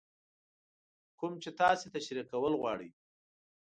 کوم چې تاسې تشرېح کول غواړئ.